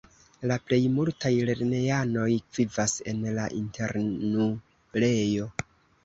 La plej multaj lernejanoj vivas en la internulejo.